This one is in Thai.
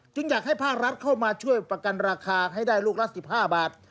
อยากให้ภาครัฐเข้ามาช่วยประกันราคาให้ได้ลูกละ๑๕บาท